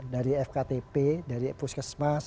dari fktp dari puskesmas